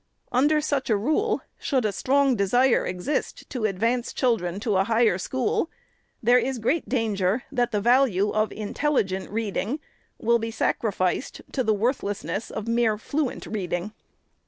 Under such a rule, should a strong desire exist to advance children to a higher school, there is great danger that the value of intelligent reading will be sacrificed to the worthlessness of mere "fluent " reading.